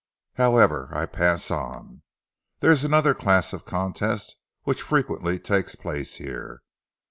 "However, I pass on. There is another class of contest which frequently takes place here.